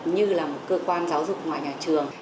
như là một cơ quan giáo dục ngoài nhà trường